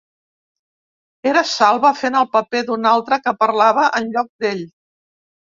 Era Salva fent el paper d'un altre que parlava en lloc d'ell.